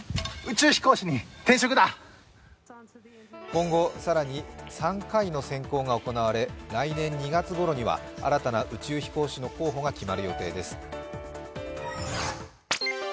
今後、更に３回の選考が行われ来年２月ごろには新たな宇宙飛行士の候補が決まる予定です。